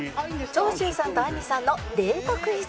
長州さんとあんりさんのデートクイズ